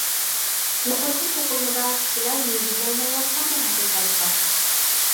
يۇقىرىقى توقۇلمىدا كىشىلەر يۈزلىنەلمەيۋاتقان بىر ھەقىقەت بار.